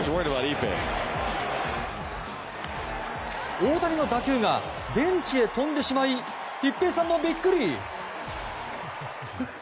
大谷の打球がベンチへ飛んでしまい一平さんもビックリ。